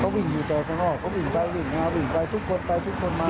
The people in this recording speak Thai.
เขาวิ่งอยู่ใจข้างออกเขาวิ่งไปวิ่งไปวิ่งไปทุกคนไปทุกคนมา